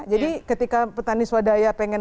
jadi ketika petani swadaya pengen